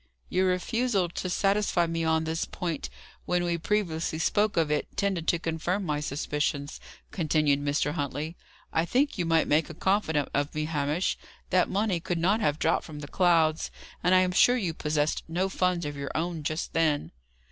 "Your refusal to satisfy me on this point, when we previously spoke of it, tended to confirm my suspicions," continued Mr. Huntley. "I think you might make a confidant of me, Hamish. That money could not have dropped from the clouds; and I am sure you possessed no funds of your own just then."